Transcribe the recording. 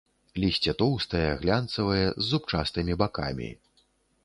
Лісце тоўстае, глянцавае з зубчастымі бакамі.